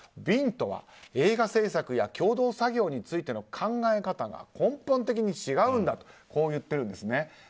ヴィンとは映画制作や共同作業についての考え方が根本的に違うと言ってるんですね。